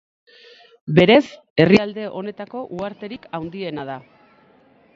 Berez, herrialde honetako uharterik handiena da.